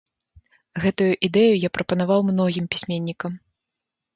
Гэтую ідэю я прапанаваў многім пісьменнікам.